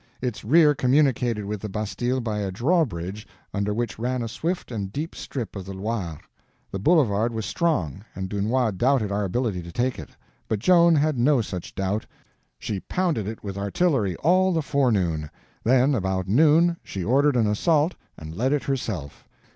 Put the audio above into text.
Its rear communicated with the bastille by a drawbridge, under which ran a swift and deep strip of the Loire. The boulevard was strong, and Dunois doubted our ability to take it, but Joan had no such doubt. She pounded it with artillery all the forenoon, then about noon she ordered an assault and led it herself.